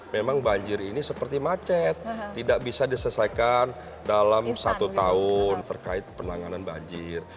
memang banjir ini seperti macet tidak bisa diselesaikan dalam satu tahun terkait penanganan banjir